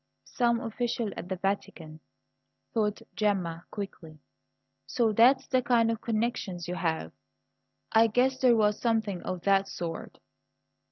"Some official at the Vatican," thought Gemma quickly. "So that's the kind of connections you have? I guessed there was something of that sort."